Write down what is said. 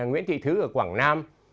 mẹ nguyễn thị thứ ở quảng nam